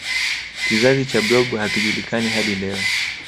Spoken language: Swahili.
kizazi cha blob hakijulikani hadi leo